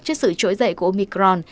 trước sự trỗi dậy của omicron